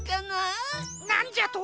なんじゃと！